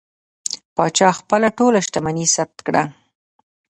پاچا خپله ټوله شتمني ثبت کړه.